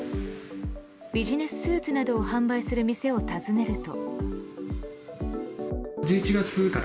ビジネススーツなどを販売する店を訪ねると。